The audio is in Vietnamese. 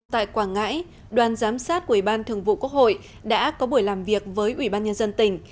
tại quảng ngãi đoàn giám sát của ủy ban thường vụ quốc hội đã có buổi làm việc với ủy ban nhân dân tỉnh